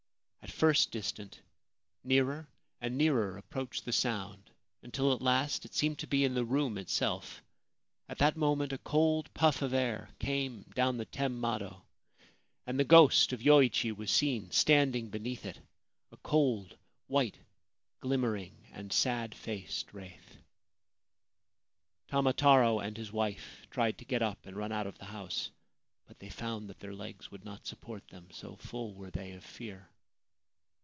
At first distant, nearer and nearer approached the sound, until at last it seemed to be in the room itself. At that moment a cold puff of air came down the tem mado, and the ghost of Yoichi was seen standing beneath it, a cold, white, glimmering and sad faced wraith. Tamataro and his wife tried to get up and run out of the house ; but they found that their legs would not support them, so full were they of fear.